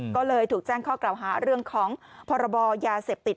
ก็เลยถูกแจ้งข้อกล่าวหาเรื่องของพรบยาเสพติด